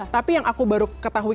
tapi yang aku baru ketahui